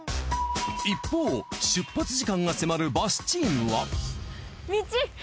一方出発時間が迫るバスチームは。